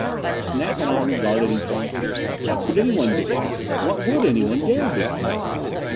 Snap and I regarded each other. What could anyone do? What would anyone dare do?